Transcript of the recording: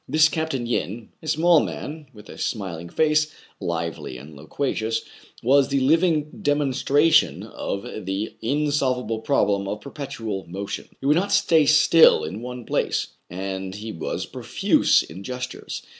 This Capt. Yin — a small man, with a smiling face, lively and loquacious — v/as the living demon stration of the insolvable problem of perpetual motion. He could not stay still in one place, and he was profuse in gestures.